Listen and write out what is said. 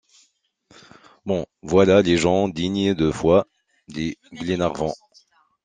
Bon, voilà des gens dignes de foi, dit Glenarvan.